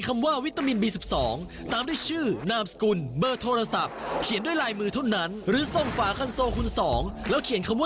ใครจะเป็นผู้โชคดี